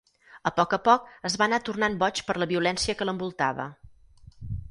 A poc a poc es va anar tornant boig per la violència que l'envoltava.